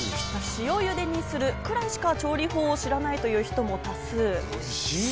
塩ゆでにするくらいしか、調理法を知らないという人も多数。